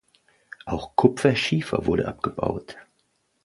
Auch Kupferschiefer wurde abgebaut.